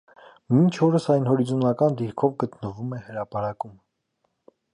Մինչ օրս այն հորիզոնական դիրքով գտնվում է հրապարակում։